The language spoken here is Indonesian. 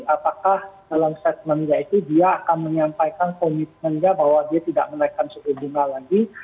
apakah dalam statementnya itu dia akan menyampaikan komitmennya bahwa dia tidak menaikkan suku bunga lagi